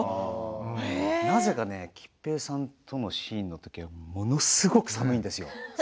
なぜか桔平さんとのシーンはものすごく寒いんですよ。